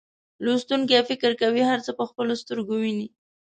لوستونکي فکر کوي هر څه په خپلو سترګو ویني.